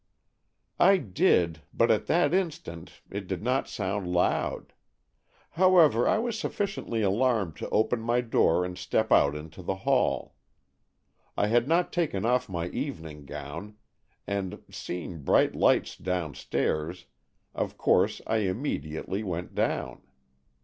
"I did, but at that distance it did not sound loud. However, I was sufficiently alarmed to open my door and step out into the hall. I had not taken off my evening gown, and, seeing bright lights downstairs, of course I immediately went down.